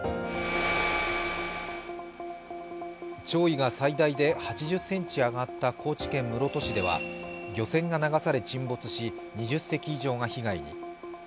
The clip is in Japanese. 潮位が最大で８０ｃｍ上がった高知県室戸市では漁船が流され沈没し、２０隻以上が被害に。